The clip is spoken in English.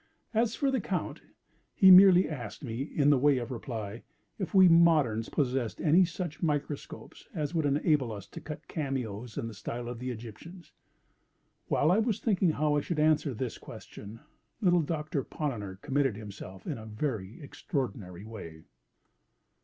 As for the Count, he merely asked me, in the way of reply, if we moderns possessed any such microscopes as would enable us to cut cameos in the style of the Egyptians. While I was thinking how I should answer this question, little Doctor Ponnonner committed himself in a very extraordinary way.